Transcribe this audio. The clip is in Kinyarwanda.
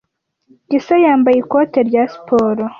Gisa yambaye ikote rya siporo.